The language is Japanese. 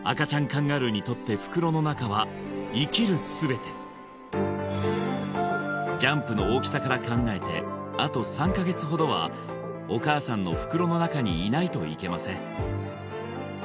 カンガルーにとって袋の中は生きる全てジャンプの大きさから考えてあと３か月ほどはお母さんの袋の中にいないといけません